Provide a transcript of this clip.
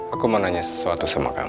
aku mau nanya sesuatu sama kamu